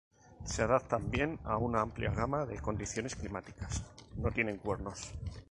Se adaptan bien a una amplia gama de condiciones climáticas, no tienen cuernos.